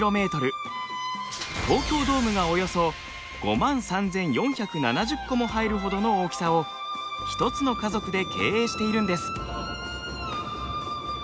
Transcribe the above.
東京ドームがおよそ５万３，４７０個も入るほどの大きさを一つの家族で経営しているんです。